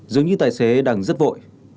dường như tài xế đang rất vội